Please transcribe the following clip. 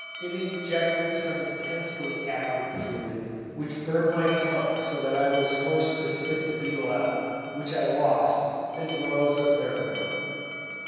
it ejected some intensely acrid fluid, which burnt my tongue so that I was forced to spit the beetle out, which was lost, as was the third one.